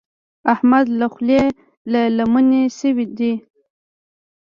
احمد له خولې له لمنې شوی دی.